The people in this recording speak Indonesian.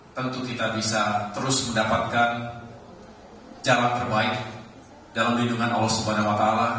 tentu kita bisa terus mendapatkan jarak terbaik dalam lindungan allah swt